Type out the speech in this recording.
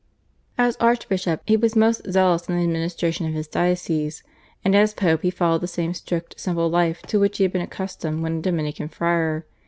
As archbishop he was most zealous in the administration of his diocese, and as Pope he followed the same strict simple life to which he had been accustomed when a Dominican friar.